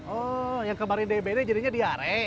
oh yang kemarin dbd jadinya diare